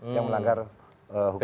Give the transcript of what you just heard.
yang melanggar hukum